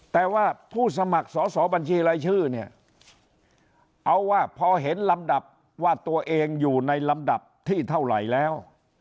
แต่ว่าผู้สมัครสอสอบัญชีรายชื่อเนี่ยเอาว่าพอเห็นลำดับว่าตัวเองอยู่ในลำดับที่เท่าไหร่แล้ว